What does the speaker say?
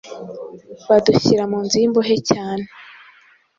badushyira mu nzu y’imbohe cyane.